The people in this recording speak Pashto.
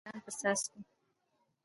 د باران په څاڅکو